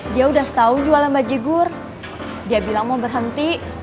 dia udah setahun jualan bajigur dia bilang mau berhenti